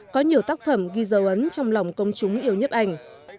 có nhiều tác phẩm ghi dấu ấn trong lòng công chúng yêu nhấp ảnh